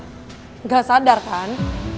enggak sadar kan